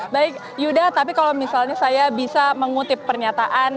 baik yuda tapi kalau misalnya saya bisa mengutip pernyataan